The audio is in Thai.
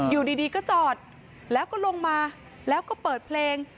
อยู่ดีก็จอดแล้วก็ลงมาแล้วก็เปิดเพลง